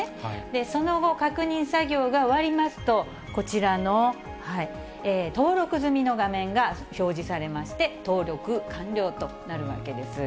その後、確認作業が終わりますと、こちらの登録済みの画面が表示されまして、登録完了となるわけです。